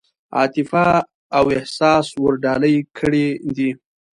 عاطفه او احساس ورډالۍ کړي دي.